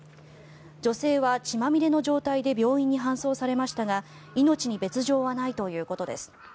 女性は血まみれの状態で病院に搬送されましたが命に別条はないということです。